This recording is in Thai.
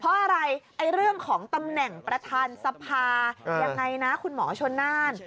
เพราะอะไรเรื่องของตำแหน่งประธานสภายังไงนะคุณหมอชนน่าน